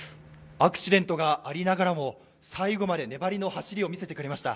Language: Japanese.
アクシデントがありながらも最後まで粘りの走りを見せてくれました。